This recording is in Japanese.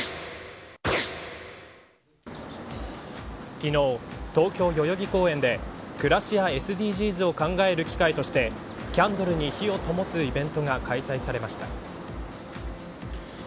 昨日、東京、代々木公園で暮らしやＳＤＧｓを考える機会としてキャンドルに火をともすイベントが開催されました。